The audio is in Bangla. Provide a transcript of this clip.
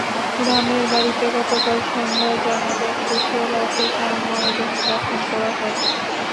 গ্রামের বাড়িতে গতকাল সন্ধ্যায় জানাজা শেষে রাতে তাঁর মরদেহ দাফন করা হয়।